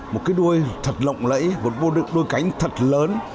một cái đuôi thật lộng lẫy một đuôi cánh thật lớn